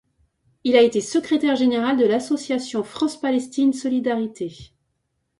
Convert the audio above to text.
Il a été secrétaire général de l'Association France-Palestine Solidarité.